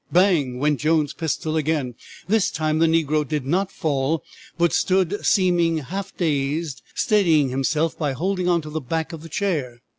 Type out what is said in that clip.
Bang! went Jones' pistol again. This time the negro did not fall, but stood seeming half dazed, steadying himself by holding on to the back of the chair.